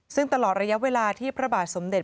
ซึ่งตลอดระยะเวลาที่พระบาทสมเด็จ